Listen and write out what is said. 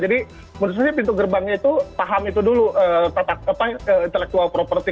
jadi menurut saya pintu gerbangnya itu paham itu dulu tata intellectual property